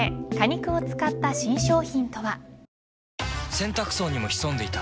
洗濯槽にも潜んでいた。